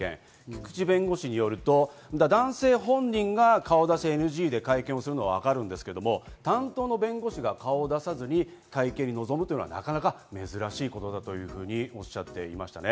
菊地弁護士によると、男性本人が顔出しＮＧで会見をするのはわかるんですけれど、担当弁護士が顔を出さずに会見に臨むのはなかなか珍しいことだというふうにおっしゃっていました。